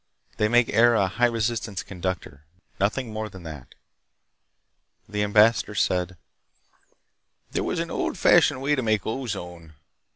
They make air a high resistance conductor. Nothing more than that." The ambassador said: "There was an old fashioned way to make ozone...."